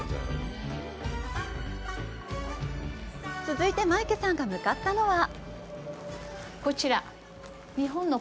続いてマイケさんが向かったのは？